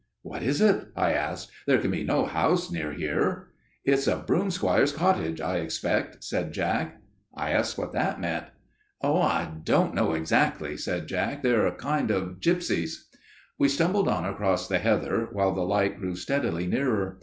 "'What is it?' I asked. 'There can be no house near here.' "'It's a broomsquire's cottage, I expect,' said Jack. "I asked what that meant. "'Oh! I don't know exactly,' said Jack; 'they're a kind of gypsies.' "We stumbled on across the heather, while the light grew steadily nearer.